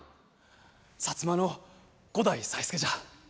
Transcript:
薩摩の五代才助じゃ。